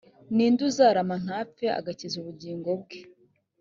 ni nde uzarama ntapfe agakiza ubugingo bwe